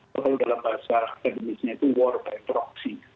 kalau dalam bahasa akademisnya itu war by proxy